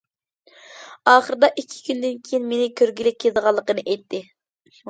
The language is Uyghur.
ئاخىرىدا ئىككى كۈندىن كېيىن مېنى كۆرگىلى كېلىدىغانلىقىنى ئېيتتى.